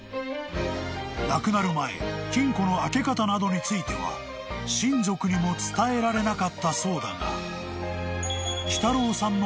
［亡くなる前金庫の開け方などについては親族にも伝えられなかったそうだが］